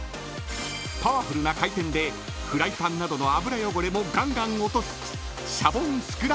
［パワフルな回転でフライパンなどの油汚れもがんがん落とす］